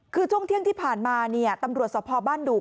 คือช่วงเที่ยงที่ผ่านมาตำรวจสภาพบ้านดู